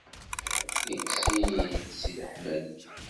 Ikkes-iyi-d si leḥmali.